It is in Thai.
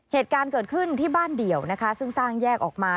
เหตุการณ์เกิดขึ้นที่บ้านเดี่ยวนะคะซึ่งสร้างแยกออกมา